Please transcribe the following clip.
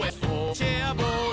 チェアガール！」